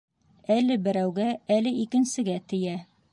Әле берәүгә, әле икенсегә тейә.